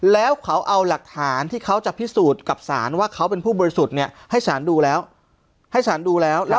แล้วเขาเอาหลักฐานที่เขาจะพิสูจน์กับสารว่าเขาเป็นผู้บริสุทธิ์ให้สารดูแล้ว